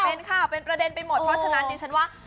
เป็นค่ะเป็นประเด็นไปหมดเพราะฉะนั้นดิฉันว่า